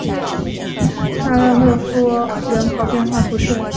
萨勒诺夫人口变化图示